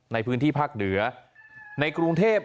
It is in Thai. ในพื้นที่ภาคเหนือในกรุงเทพ